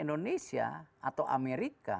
indonesia atau amerika